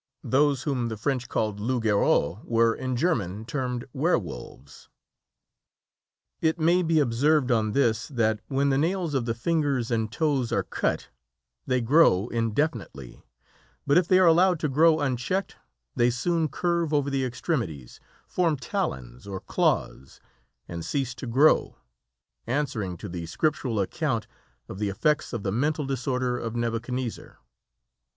Those whom the French called loups garous were in German termed werewolves. It may be observed on this that when the nails of the fingers and toes are cut they grow indefinitely; but if they are allowed to grow unchecked they soon curve over the extremities, form talons or claws, and cease to grow answering to the Scriptural account of the effects of the mental disorder of Nebuchadnezzar.